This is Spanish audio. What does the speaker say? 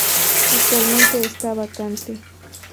Actualmente está vacante.